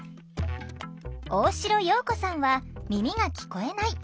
大城桜子さんは耳が聞こえない。